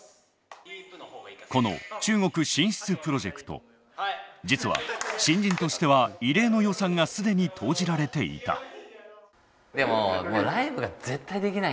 この中国進出プロジェクト実は新人としては異例の予算が既に投じられていた。